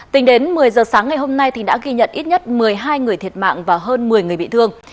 tính đến một mươi giờ sáng ngày hôm nay đã ghi nhận ít nhất một mươi hai người thiệt mạng và hơn một mươi người bị thương